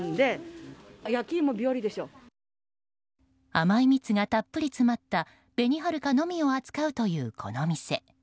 甘い蜜がたっぷり詰まった紅はるかのみを扱うというこの店。